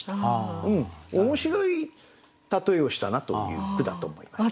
面白い例えをしたなという句だと思います。